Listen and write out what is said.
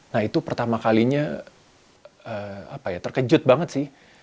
nah itu pertama kalinya terkejut banget sih